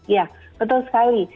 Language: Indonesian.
ya betul sekali